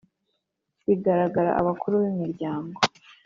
bagiraga abakuru b’imiryango: